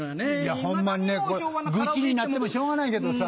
ホンマにね愚痴になってもしょうがないけどさ。